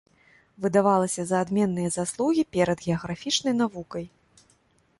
Выдавалася за адменныя заслугі перад геаграфічнай навукай.